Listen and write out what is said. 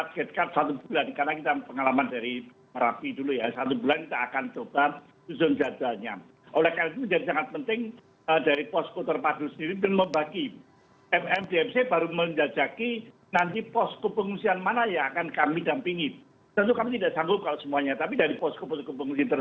saya juga kontak dengan ketua mdmc jawa timur yang langsung mempersiapkan dukungan logistik untuk erupsi sumeru